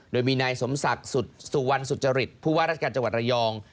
โดยมีนายสมศักดิ์สุวรรณสุจริตผู้ว่าราชการจังหวัดระยอง